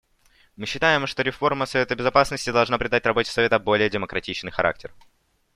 Мы считаем, что реформа Совета Безопасности должна придать работе Совета более демократичный характер.